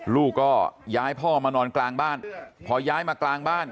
ลูกก็ย้ายพ่อมานอนกลางบ้านพอย้ายมากลางบ้าน